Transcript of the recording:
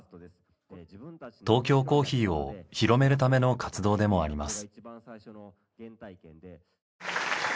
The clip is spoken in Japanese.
トーキョーコーヒーを広めるための活動でもあります。